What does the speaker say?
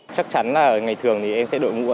chắc chắn là ngày thường thì em sẽ đội mũ